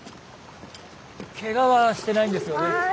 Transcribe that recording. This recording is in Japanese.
けがはしてないんですよね？